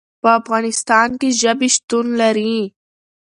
په افغانستان کې ژبې شتون لري.